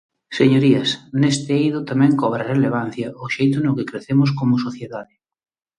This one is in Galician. Señorías, neste eido tamén cobra relevancia o xeito no que crecemos como sociedade.